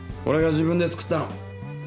俺が自分で作ったの。